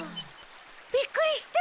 びっくりした。